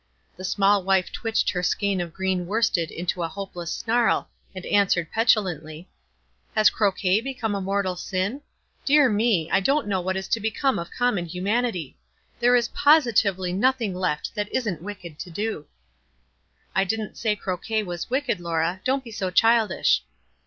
The small wife twitched her skein of green worsted into a hopeless snarl, and auswered, petulantly, — "Has croquet become a mortal sin? Dear me ! I don't know what is to become of com mon humanity. There is positively nothing left that isn't wicked to do." "I didn't say croquet was wicked, Laura; don't be so childish."